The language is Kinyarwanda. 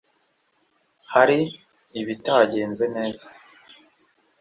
hari ibitagenze neza